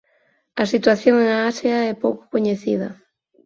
A situación en Asia é pouco coñecida.